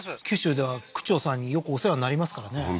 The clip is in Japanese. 九州では区長さんによくお世話になりますからね